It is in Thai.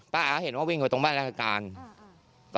ป้าเล่าเห็นกว่าวิ่งกับตรงบ้านรายโภคารค่ะ